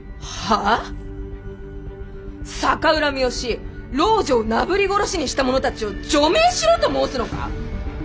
逆恨みをし老女をなぶり殺しにした者たちを助命しろと申すのか！